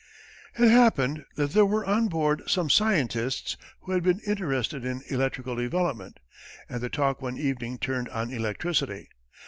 It happened that there were on board some scientists who had been interested in electrical development, and the talk one evening turned on electricity.